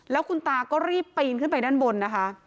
แล้วคุณตาก็รีบปีนขึ้นไปด้านบนนะคะ